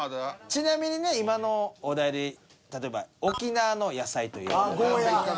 ちなみにね今のお題で例えば「沖縄の野菜」といえば。